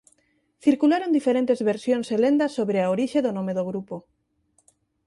Circularon diferentes versións e lendas sobre a orixe do nome do grupo.